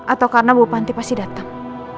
atau karena bu panti pasti datang